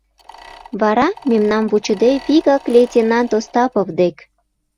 Вара, мемнам вучыде, вигак лейтенант Остапов дек.